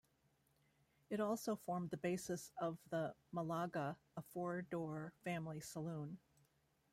It also formed the basis of the Malaga, a four-door family saloon.